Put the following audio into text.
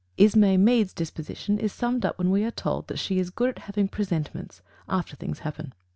Ismay Meade's disposition is summed up when we are told that she is "good at having presentiments after things happen."